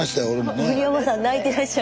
森山さん泣いてらっしゃる。